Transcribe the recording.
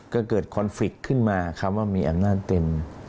ก็เกิดคอนฟริกต์ขึ้นมาคำว่ามีอำนาจเต็ม